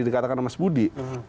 dikatakan mas budi